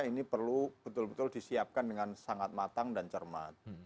ini perlu betul betul disiapkan dengan sangat matang dan cermat